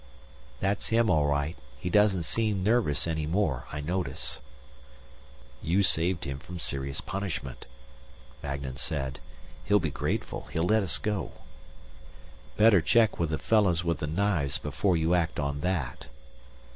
"That's him, all right. He doesn't seem nervous any more, I notice." "You saved him from serious punishment," Magnan said. "He'll be grateful; he'll let us go." "Better check with the fellows with the knives before you act on that."